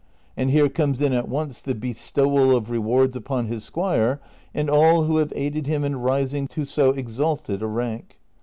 And here conies in at once the bestowal of rewards upon his squire and all who have aided him in rising to so exalted a rank.